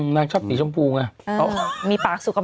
ของคุณมีอย่างอื่นตีปากอยู่แล้ว